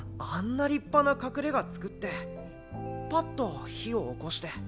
あんな立派な隠れが作ってパッと火をおこして。